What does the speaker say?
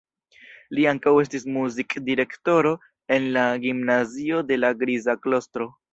Li ankaŭ estis muzik-direktoro en la gimnazio de la "Griza Klostro".